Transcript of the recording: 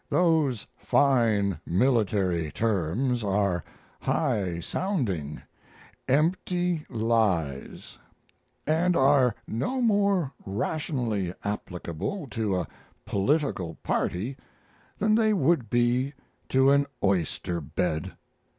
Those fine military terms are high sounding, empty lies, and are no more rationally applicable to a political party than they would be to an oyster bed.